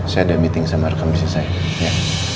saya ada meeting sama rekam si sae ya